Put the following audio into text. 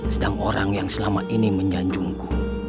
sedang orang yang selama ini menyanjungku